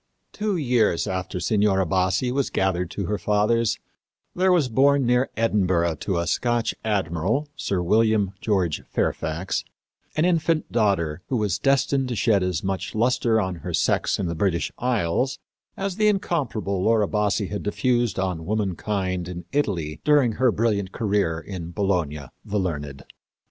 Two years after Signora Bassi was gathered to her fathers there was born near Edinburgh to a Scotch admiral, Sir William George Fairfax, an infant daughter who was destined to shed as much luster on her sex in the British Isles as the incomparable Laura Bassi had diffused on womankind in Italy during her brilliant career in "Bologna, the learned."